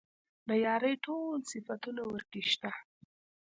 د يارۍ ټول صفتونه ورکې شته.